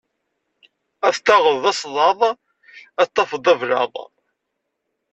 Ad t-taɣeḍ d asḍaḍ, ad t-tafeḍ d ablaḍ.